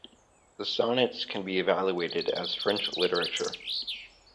The sonnets can be evaluated as French literature.